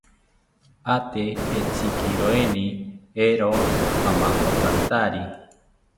Ate entzikiroeni, eero amakotantari